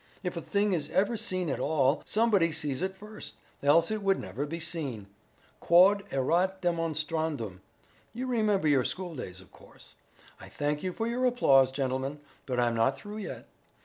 If a thing is ever seen at all somebody sees it first, else it would never be seen. Quod erat demonstrandum. You remember your schooldays, of course. I thank you for your applause, gentlemen, but I'm not through yet.